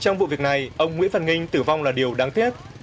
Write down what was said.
trong vụ việc này ông nguyễn văn nghinh tử vong là điều đáng tiếc